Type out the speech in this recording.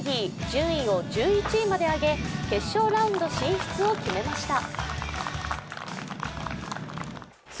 順位を１１位まで上げ決勝ラウンド進出を決めました。